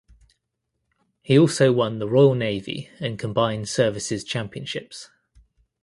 He also won the Royal Navy and Combined Services championships.